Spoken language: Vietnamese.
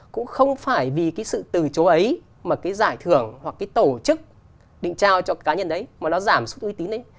cũng không phải vì cái sự từ chố ấy mà cái giải thưởng hoặc cái tổ chức định trao cho cá nhân đấy mà nó giảm suất uy tín đấy